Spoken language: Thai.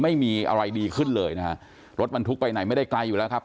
ไม่มีอะไรดีขึ้นเลยนะฮะรถบรรทุกไปไหนไม่ได้ไกลอยู่แล้วครับ